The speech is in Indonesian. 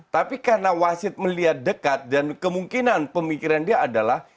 tapi karena wasit melihat dekat dan kemungkinan pemikiran dia adalah